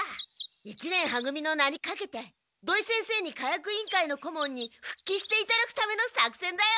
一年は組の名にかけて土井先生に火薬委員会の顧問に復帰していただくためのさくせんだよ。